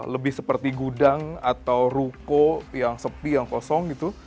lebih seperti gudang atau ruko yang sepi yang kosong gitu